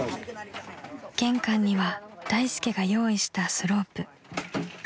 ［玄関には大助が用意したスロープ］